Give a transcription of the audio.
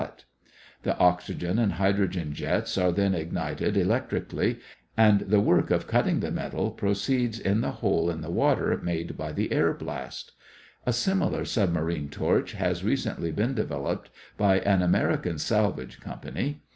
The oxygen and hydrogen jets are then ignited electrically, and the work of cutting the metal proceeds in the hole in the water made by the air blast. A similar submarine torch has recently been developed by an American salvage company.